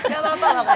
gak apa apa loh kak